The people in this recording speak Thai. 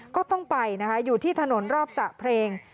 ก็ต้องไปนะคะอยู่ที่ถนนรอบสระเพลง